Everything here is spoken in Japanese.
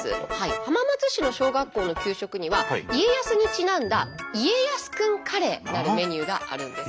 浜松市の小学校の給食には家康にちなんだ家康くんカレーなるメニューがあるんです。